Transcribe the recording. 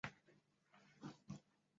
贞观四年复置。